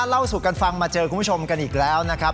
เล่าสู่กันฟังมาเจอคุณผู้ชมกันอีกแล้วนะครับ